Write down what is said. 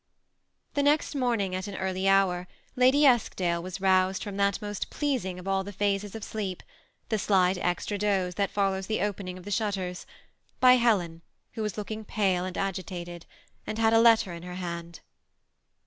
The next morning at an early hour Ladj Eskdale was roused from that most pleasing of all the phases of sleep — the slight extra dose that follows the openiBg of the shutters — bj Helen, who was looking pale and agitated, and had a letter in her hand.